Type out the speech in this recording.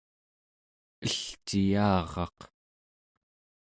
elciyaraq